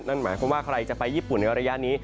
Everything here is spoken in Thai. นั่นหมายความว่าใครจะไปญี่ปุ่นในระยะนี้